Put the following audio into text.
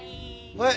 はい